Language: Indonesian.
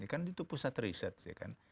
kan itu pusat riset sih kan